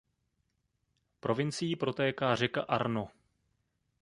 Provincií protéká řeka Arno.